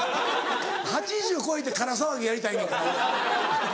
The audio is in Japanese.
８０超えて『から騒ぎ』やりたいんやから俺。